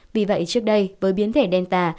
vì vậy trước đây với biến thể delta